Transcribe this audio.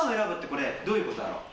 これどういうことだろう？